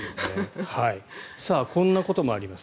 こんなこともあります。